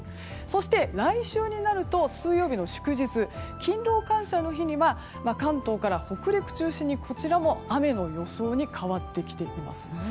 そして、来週になると水曜日の祝日勤労感謝の日には関東から北陸中心にこちらも雨の予想に変わってきています。